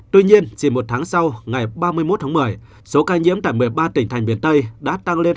tuy nhiên chỉ một tháng sau ngày ba mươi một tháng một mươi số ca nhiễm tại một mươi ba tỉnh thành miền tây đã tăng lên hai mươi